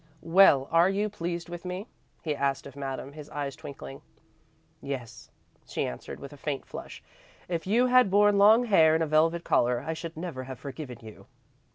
"Well, are you pleased with me?" he asked of Madame, his eyes twinkling. "Yes," she answered with a faint flush. "If you had worn long hair and a velvet collar, I should never have forgiven you."